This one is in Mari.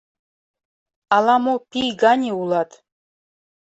Ала-мо пий гане улат!